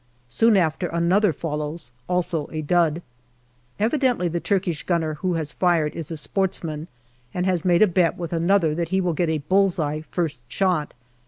Soon after another follows, also a dud. Evidently the Turkish gunner who has fired is a sportsman, and has made a bet with another that he will get a bull's eye first shot.